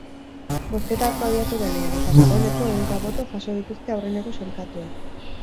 Bozketa atzo abiatu genuen, eta dagoeneko ehunka boto jaso dituzte aurreneko sailkatuek.